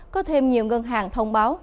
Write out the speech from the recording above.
có thêm nhiều ngân hàng thông báo